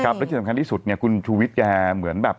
และที่สำคัญที่สุดเนี่ยคุณชูวิทย์แกเหมือนแบบ